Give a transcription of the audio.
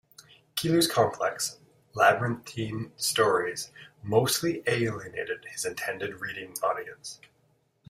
Keeler's complex, labyrinthine stories mostly alienated his intended reading audience.